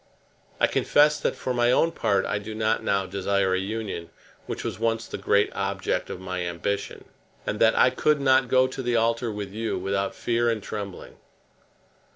I confess that for my own part I do not now desire a union which was once the great object of my ambition, and that I could not go to the altar with you without fear and trembling.